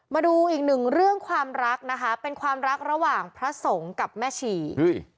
มาดูอีกหนึ่งเรื่องความรักนะคะเป็นความรักระหว่างพระสงฆ์กับแม่ชีอุ้ย